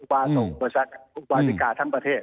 ประสิกาทั้งประเทศ